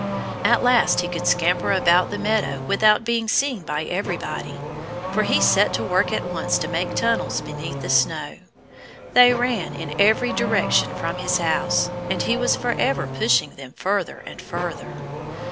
At last he could scamper about the meadow without being seen by everybody. For he set to work at once to make tunnels beneath the snow. They ran in every direction from his house. And he was forever pushing them further and further.